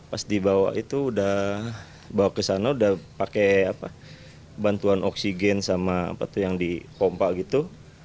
pas dibawa itu udah bawa ke sana udah pakai bantuan oksigen sama apa tuh yang di pompa gitu